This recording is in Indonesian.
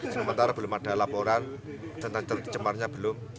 sementara belum ada laporan tentang cemarnya belum